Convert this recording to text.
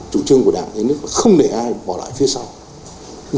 chủ trương của đảng nhà nước không để ai bỏ lại phía sau